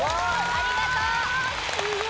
ありがとう！